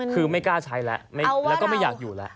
คือไม่กล้าใช้แล้วแล้วก็ไม่อยากอยู่แล้ว